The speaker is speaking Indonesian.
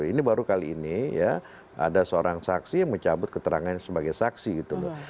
ini baru kali ini ya ada seorang saksi yang mencabut keterangannya sebagai saksi gitu loh